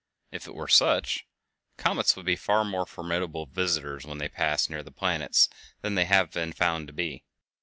If it were such, comets would be far more formidable visitors when they pass near the planets than they have been found to be.